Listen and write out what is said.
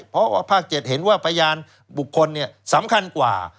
เพราะว่าภาค๗เห็นว่าพยานบุคคลสำคัญกว่า